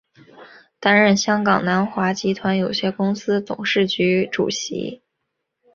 担任香港南华集团有限公司董事局主席。